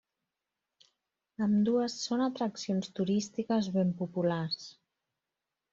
Ambdues són atraccions turístiques ben populars.